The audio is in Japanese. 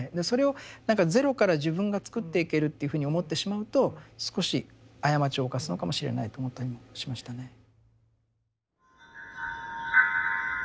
それを何かゼロから自分が作っていけるっていうふうに思ってしまうと少し過ちを犯すのかもしれないと思ったりもしましたね。